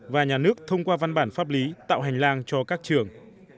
và nhà nước thông qua văn bản pháp lý tạo hành lang cho các trường